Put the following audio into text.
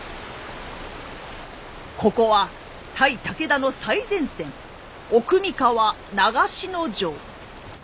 ここは対武田の最前線奥三河・長篠城。